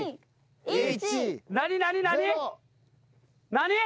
何？